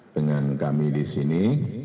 dengan kami di sini